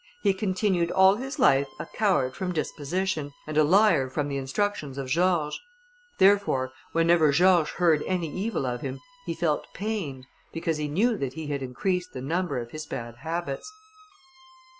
He continued all his life a coward from disposition, and a liar from the instructions of George; therefore, whenever George heard any evil of him, he felt pained, because he knew that he had increased the number of his bad habits.